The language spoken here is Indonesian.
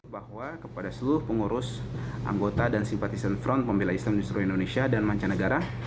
bahwa kepada seluruh pengurus anggota dan simpatisan front pembela islam di seluruh indonesia dan mancanegara